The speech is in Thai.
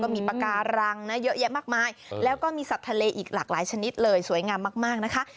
มีปากการังนะเยอะแยะมากมายแล้วก็มีสัตว์ทะเลอีกหลากหลายชนิดเลยสวยงามมากนะคะ